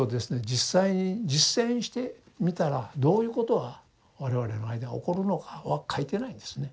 実際に実践してみたらどういうことが我々の間に起こるのかは書いてないんですね。